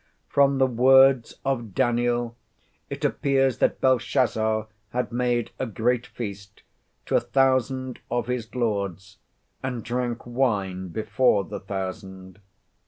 From the words of Daniel it appears that Belshazzar had made a great feast to a thousand of his lords, and drank wine before the thousand.